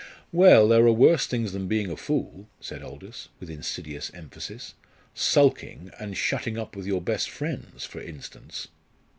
"Well, there are worse things than being a fool," said Aldous, with insidious emphasis "sulking, and shutting up with your best friends, for instance."